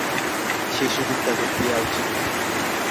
সে সুযোগ তাঁদের দেয়া উচিত না।